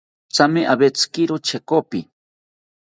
Thame awetzikiro chekopi